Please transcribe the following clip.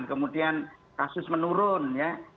kemudian kasus menurun ya